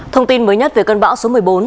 thông tin mới nhất về cơn bão số một mươi bốn